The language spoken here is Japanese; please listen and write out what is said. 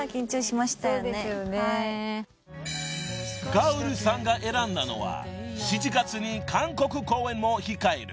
［ガウルさんが選んだのは７月に韓国公演も控える］